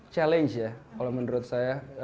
challenge ya kalau menurut saya